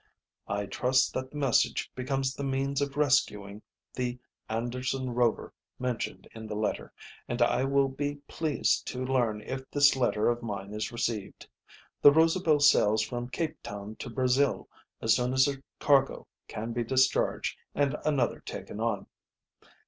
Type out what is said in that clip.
"I trust that the message becomes the means of rescuing the Anderson Rover mentioned in the letter, and I will be pleased to learn if this letter of mine is received. The Rosabel sails from Cape Town to Brazil as soon as her cargo can be discharged and another taken on.